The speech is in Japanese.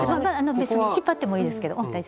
引っ張ってもいいですけど大丈夫です。